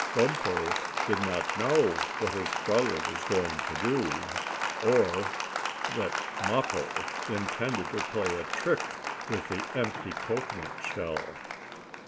Bumpo did not know what his brother was going to do, or that Mappo intended to play a trick with the empty cocoanut shell.